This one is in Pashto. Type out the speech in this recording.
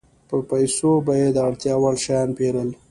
په پیسو به یې د اړتیا وړ شیان پېرل